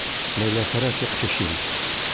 Layla tra tiqcicin.